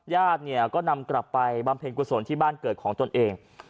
ญาติเนี่ยก็นำกลับไปบำเพ็ญกุศลที่บ้านเกิดของตนเอง